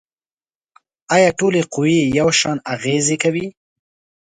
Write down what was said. آیا ټولې قوې یو شان اغیزې کوي؟